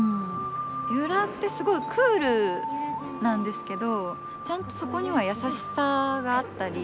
由良ってすごいクールなんですけどちゃんとそこには優しさがあったり